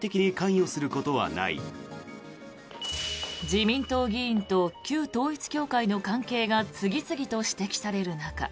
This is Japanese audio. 自民党議員と旧統一教会の関係が次々と指摘される中